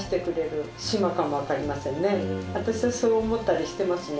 私はそう思ったりしてますね。